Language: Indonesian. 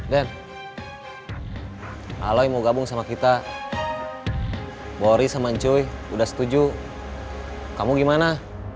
dan kalau mau gabung sama kita bori sama cuy udah setuju kamu gimana